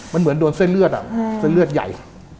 มันเหมือนโดนเส้นเลือดเส้นเลือดใหญ่